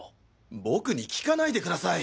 僕に聞かないでください。